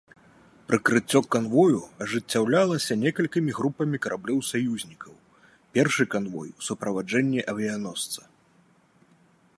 Прыкрыццё канвою ажыццяўлялася некалькімі групамі караблёў саюзнікаў, першы канвой у суправаджэнні авіяносца.